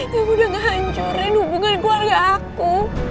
yang udah ngehancurin hubungan keluarga aku